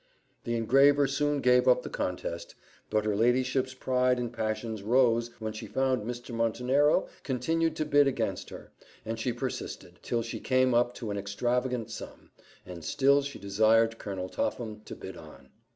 The engraver soon gave up the contest, but her ladyship's pride and passions rose when she found Mr. Montenero continued to bid against her; and she persisted, till she came up to an extravagant sum; and still she desired Colonel Topham to bid on.